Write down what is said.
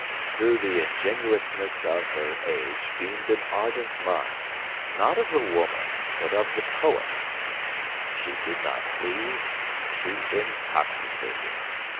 Through the ingenuousness of her age beamed an ardent mind, not of the woman, but of the poet. She did not please; she intoxicated.